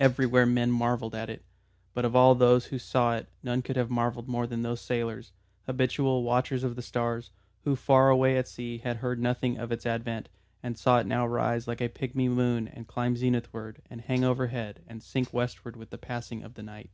Everywhere men marvelled at it, but of all those who saw it none could have marvelled more than those sailors, habitual watchers of the stars, who far away at sea had heard nothing of its advent and saw it now rise like a pigmy moon and climb zenithward and hang overhead and sink westward with the passing of the night.